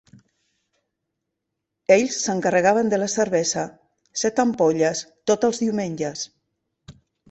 Ells s'encarregaven de la cervesa: set ampolles tots els diumenges.